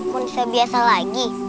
manusia biasa lagi